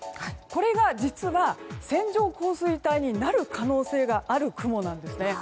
これが実は線状降水帯になる可能性がある雲なんです。